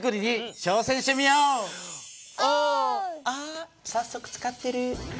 あっ早速使ってる。